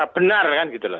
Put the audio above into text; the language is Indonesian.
benar kan gitu loh